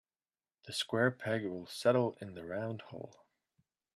The square peg will settle in the round hole.